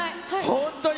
本当に。